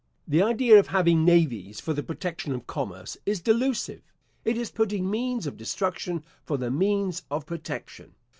The idea of having navies for the protection of commerce is delusive. It is putting means of destruction for the means of protection.